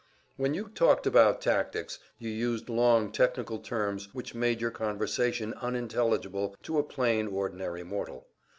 When you talked about "tactics" you used long technical terms which made your conversation unintelligible to a plain, ordinary mortal.